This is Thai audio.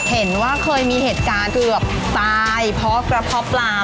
เห็นว่าเคยมีเหตุการณ์เกือบตายเพราะกระเพาะปลา